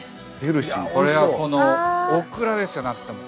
これはこのオクラですよ何と言っても。